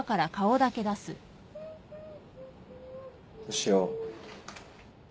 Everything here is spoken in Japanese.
潮。